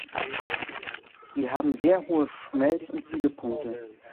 Sie haben sehr hohe Schmelz- und Siedepunkte.